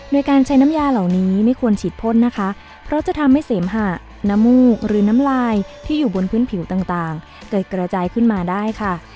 โดยการใช้น้ำยาเหล่านี้ไม่ควรฉีดพ่นนะคะเพราะจะทำให้เสมหะน้ำมูกหรือน้ำลายที่อยู่บนพื้นผิวต่างเกิดกระจายขึ้นมาได้ค่ะ